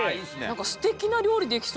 何かすてきな料理できそう。